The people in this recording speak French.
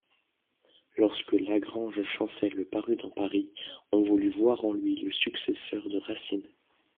Lorsque Lagrange-Chancel parut dans Paris, on voulut voir en lui le successeur de Racine.